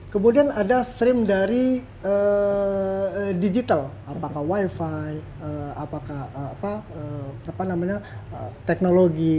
kemudian ada stream dari digital apakah wifi apakah teknologi